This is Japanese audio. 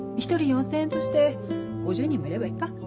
１人４０００円として５０人もいればいいか。